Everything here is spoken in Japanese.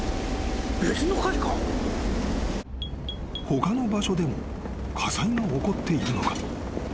［他の場所でも火災が起こっているのか？］